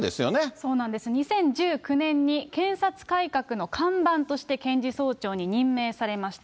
そうなんです、２０１９年に検察改革の看板として検事総長に任命されました。